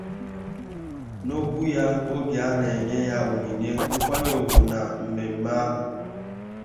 N'okwu ya oge a na-enye ya onyinye nkwanyeugwù na mmemme ahụ